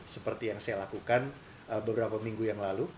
seperti yang saya lakukan beberapa minggu yang lalu